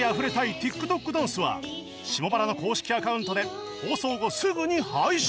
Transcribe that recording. ＴｉｋＴｏｋ ダンスは『霜バラ』の公式アカウントで放送後すぐに配信！